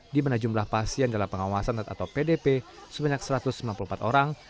di mana jumlah pasien dalam pengawasan atau pdp sebanyak satu ratus sembilan puluh empat orang